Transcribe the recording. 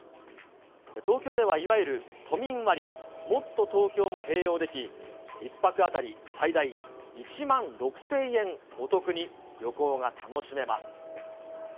東京ではいわゆる都民割、もっとＴｏｋｙｏも併用でき、１泊当たり最大１万６０００円お得に旅行が楽しめます。